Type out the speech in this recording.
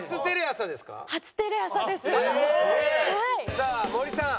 さあ森さん